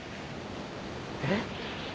えっ？